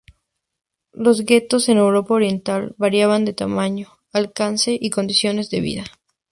Los guetos en Europa Oriental variaban en tamaño, alcance y condiciones de vida.